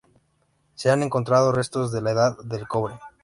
Se han encontrado restos de la Edad del Cobre.